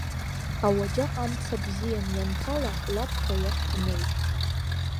Ауаџьаҟ амца бзиан ианҭала, лабхәа иахь днеит.